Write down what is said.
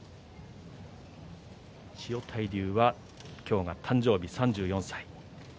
千代大龍は今日が誕生日、３４歳。